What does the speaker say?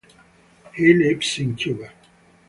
He lives in Cuba.